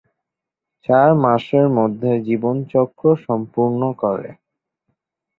চার মাসের মধ্যে জীবনচক্র সম্পূর্ণ করে।